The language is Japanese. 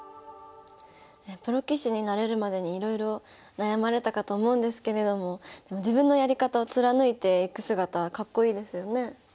プロ棋士になれるまでにいろいろ悩まれたかと思うんですけれども自分のやり方を貫いていく姿はかっこいいですよね。